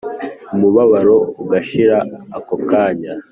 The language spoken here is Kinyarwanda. Umubabaro ugashira ako kanya